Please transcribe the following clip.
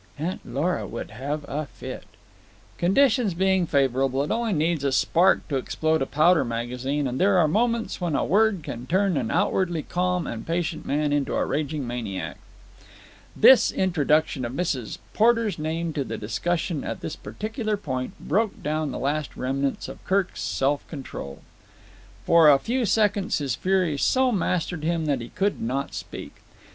Aunt Lora would have a fit." Conditions being favourable, it only needs a spark to explode a powder magazine; and there are moments when a word can turn an outwardly calm and patient man into a raging maniac. This introduction of Mrs. Porter's name into the discussion at this particular point broke down the last remnants of Kirk's self control. For a few seconds his fury so mastered him that he could not speak.